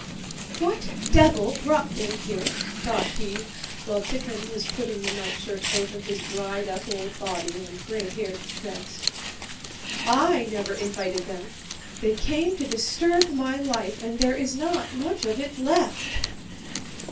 "What devil brought them here?" thought he, while Tíkhon was putting the nightshirt over his dried up old body and gray haired chest. "I never invited them. They came to disturb my life—and there is not much of it left."